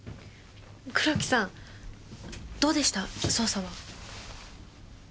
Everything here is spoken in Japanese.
黒木さんどうでした捜査は？